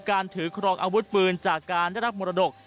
ถือครองอาวุธปืนจากการได้รับมรดก